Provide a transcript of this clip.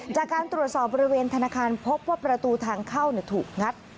จากการตรวจสอบบริเวณธนาคารพบว่าประตูทางเข้าถูกงัด